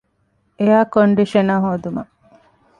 އެއަރ ކޮންޑިޝަނަރ ހޯދުމަށް